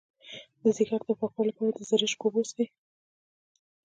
د ځیګر د پاکوالي لپاره د زرشک اوبه وڅښئ